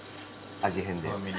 味変で。